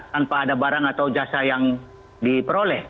tanpa ada barang atau jasa yang diperoleh